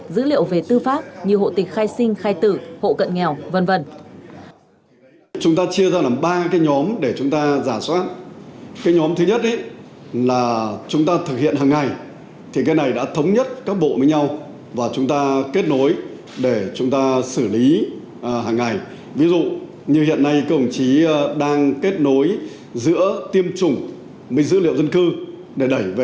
dữ liệu về tư pháp như hộ tịch khai sinh khai tử hộ cận nghèo v v